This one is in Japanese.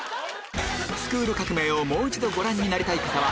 『スクール革命！』をもう一度ご覧になりたい方は